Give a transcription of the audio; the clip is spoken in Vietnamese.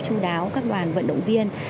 chú đáo các đoàn vận động viên